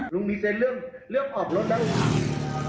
ลุงมีเซ็นเรื่องเลือกออกรถแล้วลุงขับ